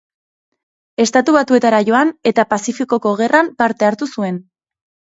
Estatu Batuetara joan eta Pazifikoko Gerran parte hartu zuen.